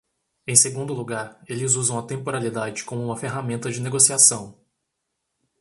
Em segundo lugar, eles usam a temporalidade como uma ferramenta de negociação.